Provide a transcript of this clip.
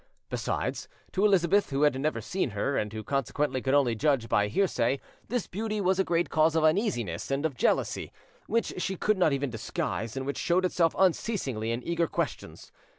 Besides, to Elizabeth, who had never seen her, and who consequently could only judge by hearsay, this beauty was a great cause of uneasiness and of jealousy, which she could not even disguise, and which showed itself unceasingly in eager questions.